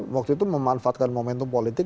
waktu itu memanfaatkan momentum politik